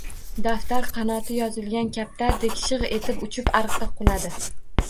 Daftar qanoti yozilgan kaptardek «shigʼgʼ» etib uchib, ariqqa quladi.